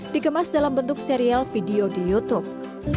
dikemas dalam bentuk serial video di youtube